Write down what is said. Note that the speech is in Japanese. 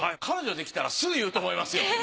彼女できたらすぐ言うと思いますよ。